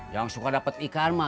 yang suka dapat ikan mah